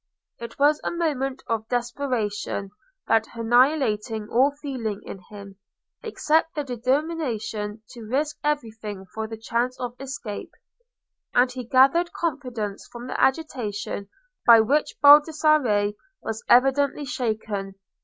It was a moment of desperation that annihilated all feeling in him, except the determination to risk anything for the chance of escape. And he gathered confidence from the agitation by which Baldassarre was evidently shaken.